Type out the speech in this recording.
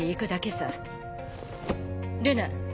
ルナ。